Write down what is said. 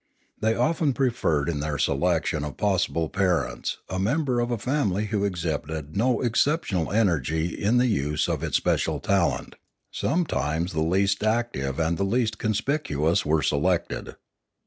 They often preferred in their selection of possible parents a member of a family who exhibited no exceptional energy in the use of its special talent; sometimes the least active and the least conspicuous were selected.